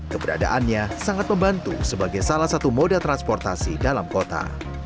keberadaannya sangat membantu sebagai salah satu moda transportasi dalam kota